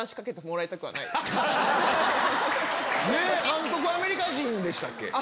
監督アメリカ人でしたっけ？